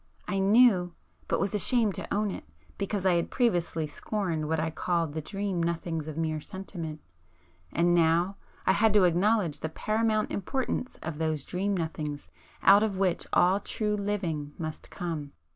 I knew,—but was ashamed to own it, because I had previously scorned what I called the dream nothings of mere sentiment. And now I had to acknowledge the paramount importance of those 'dream nothings' out of which all true living must come.